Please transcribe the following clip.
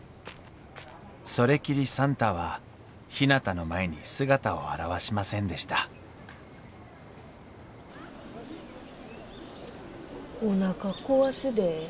それきりサンタはひなたの前に姿を現しませんでしたおなか壊すで。